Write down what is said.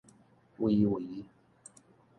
圍圍